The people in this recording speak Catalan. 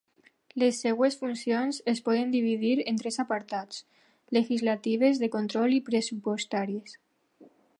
Les seves funcions es poden dividir en tres apartats: legislatives, de control i pressupostàries.